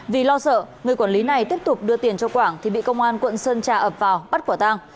vì lo sợ người quản lý này tiếp tục đưa tiền cho quảng thì bị công an quận sơn trà ập vào bắt quả tang